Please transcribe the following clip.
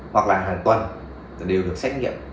hoặc là hàng tuần đều được xét nghiệm